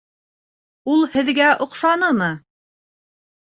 Ул һеҙгә оҡшанымы?